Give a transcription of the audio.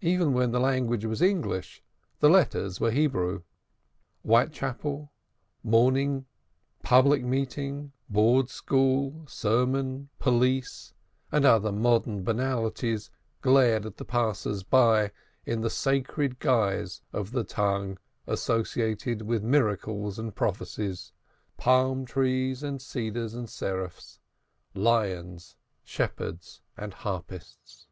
Even when the language was English the letters were Hebrew. Whitechapel, Public Meeting, Board School, Sermon, Police, and other modern banalities, glared at the passer by in the sacred guise of the Tongue associated with miracles and prophecies, palm trees and cedars and seraphs, lions and shepherds and harpists.